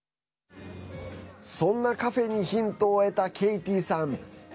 そんなカフェにヒントを得たケイティさん。